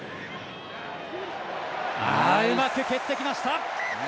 うまく蹴ってきました！